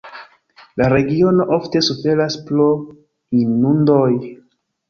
La regiono ofte suferas pro inundoj.